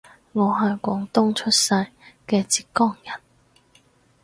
我係廣東出世嘅浙江人